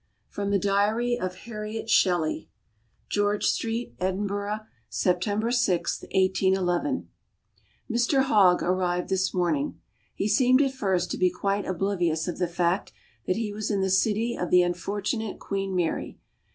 X FROM THE DIARY OF HARRIET SHELLEY George Street, Edinburgh, September 6, 1811. Mr Hogg arrived this morning. He seemed at first to be quite oblivious of the fact that he was in the city of the unfortunate Queen Mary.